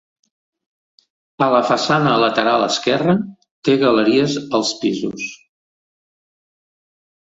A la façana lateral esquerra, té galeries als pisos.